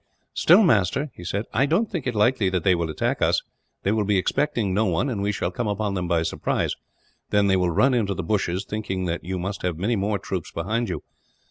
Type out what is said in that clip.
"Still, master," he said, "I don't think it likely that they will attack us. They will be expecting no one, and we shall come upon them by surprise; then they will run into the bushes, thinking that you must have many more troops behind you.